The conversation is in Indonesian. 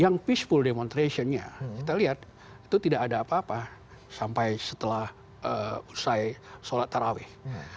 yang peaceful demonstrationnya kita lihat itu tidak ada apa apa sampai setelah selesai sholat taraweeh